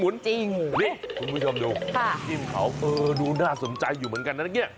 นี่คุณผู้ชมดูน้ำจิ้มเขาเออดูน่าสนใจอยู่เหมือนกันนะเนี่ย